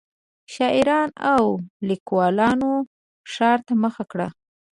شاعرانو او لیکوالانو ښار ته مخه کړه.